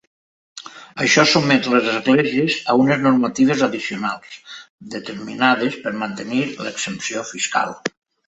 Això sotmet les esglésies a unes normatives addicionals determinades per mantenir l'exempció fiscal.